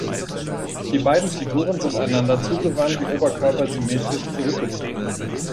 Die beiden Figuren sind einander zugewandt, die Oberkörper symmetrisch zurückgebogen.